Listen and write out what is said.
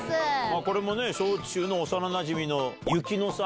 これもね、小中の幼なじみのゆきのさん。